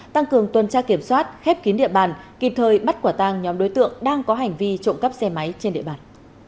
tăng cường tuần tra kiểm soát khép kín địa bàn kịp thời bắt quả tăng nhóm đối tượng đang có hành vi trộm cắp xe máy trên địa bàn